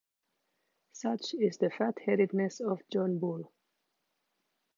Such is the fat-headedness of John Bull.